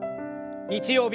日曜日